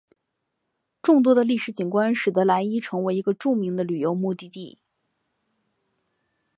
众多的历史景观使得莱伊成为一个著名的旅游目的地。